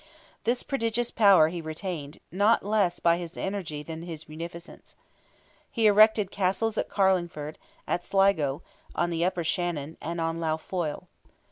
This prodigious power he retained, not less by his energy than his munificence. He erected castles at Carlingford, at Sligo, on the upper Shannon, and on Lough Foyle.